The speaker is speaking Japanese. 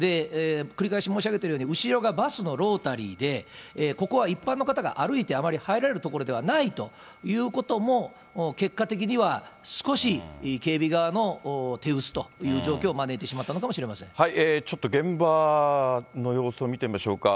繰り返し申し上げてるように、後ろがバスのロータリーで、ここは一般の方が、歩いてあまり入れる所ではないということも、結果的には少し警備側の手薄という状況を招いてしまったのかもしちょっと現場の様子を見てみましょうか。